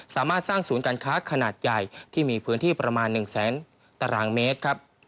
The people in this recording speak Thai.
สามารถสร้างศูนย์การค้าขนาดใหญ่ที่มีพื้นที่ประมาณ๑แสนตารางเมตรครับ